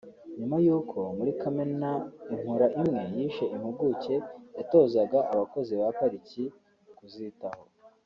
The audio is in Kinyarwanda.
nyuma y’uko muri Kamena Inkura imwe yishe impuguke yatozaga abakozi ba pariki kuzitaho